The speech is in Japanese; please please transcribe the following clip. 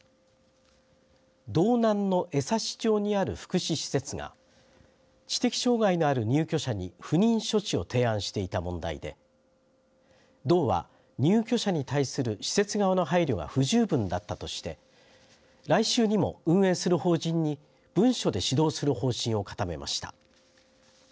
道南の江差町にある福祉施設が知的障害のある入居者に不妊処置を提案していた問題で道は入居者に対する施設側の配慮は不十分だったとして来週にも運営する法人に文書で指導する方針を固めました。